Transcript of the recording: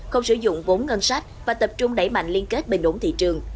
không sử dụng vốn ngân sách và tập trung đẩy mạnh liên kết bình ổn thị trường